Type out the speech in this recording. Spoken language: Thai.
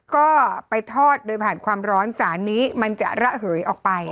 ก็ไปทอดโดยผ่านความร้อนสารนี้มันจะระเหยออกไป